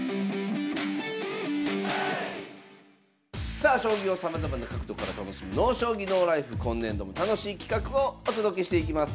さあ将棋をさまざまな角度から楽しむ「ＮＯ将棋ＮＯＬＩＦＥ」今年度も楽しい企画をお届けしていきます。